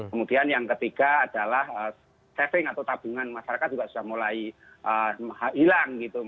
kemudian yang ketiga adalah saving atau tabungan masyarakat juga sudah mulai hilang gitu